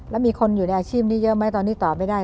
แล้วมีคนอยู่ในอาชีพนี้เยอะไหมตอนนี้ตอบไม่ได้